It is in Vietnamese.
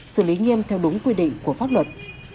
xử lý nghiêm theo đúng quy định của pháp luật